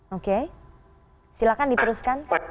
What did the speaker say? oke silahkan diteruskan